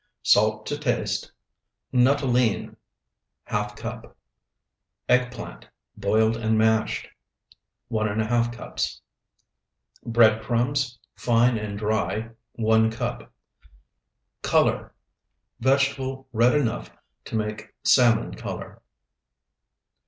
Salt to taste Nuttolene, ½ cup. Eggplant, boiled and mashed, 1½ cups. Bread crumbs, fine and dry, 1 cup. Color, vegetable red enough to make salmon color.